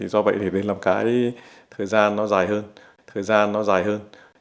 do vậy nên làm thời gian nó dài hơn